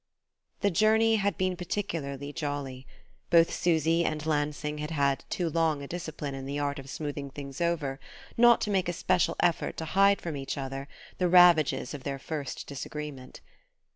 The journey had been particularly jolly: both Susy and Lansing had had too long a discipline in the art of smoothing things over not to make a special effort to hide from each other the ravages of their first disagreement.